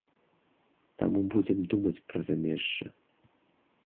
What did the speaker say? Таму будзем думаць пра замежжа.